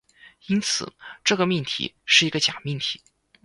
因此，这个命题是一个假命题。